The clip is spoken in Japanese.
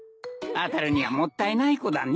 あたるにはもったいない子だね。